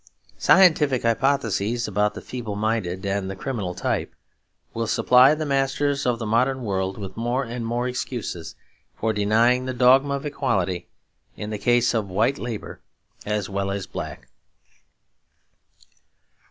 Scientific hypotheses about the feeble minded and the criminal type will supply the masters of the modern world with more and more excuses for denying the dogma of equality in the case of white labour as well as black.